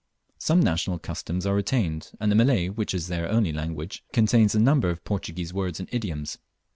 Some national customs are retained, and the Malay, which is their only language, contains a large number of Portuguese words and idioms.